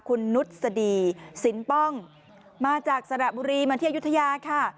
คุณนุษฎีสินป้องมาจากสระบุรีมาที่อายุทยาค่ะ